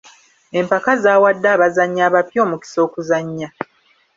Empaka zaawadde abazannyi abapya omukisa okuzannya.